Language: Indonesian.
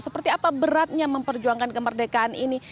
seperti apa beratnya memperjuangkan kemerdekaan ini